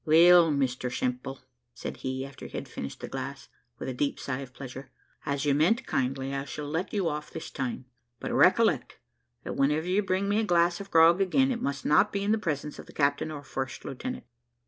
"Well, Mr Simple," said he, after he had finished the glass, with a deep sigh of pleasure, "as you meant kindly, I shall let you off this time; but recollect, that whenever you bring me a glass of grog again, it must not be in the presence of the captain or first lieutenant."